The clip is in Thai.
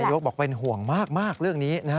ยกบอกเป็นห่วงมากเรื่องนี้